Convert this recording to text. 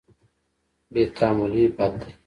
بې تحملي بد دی.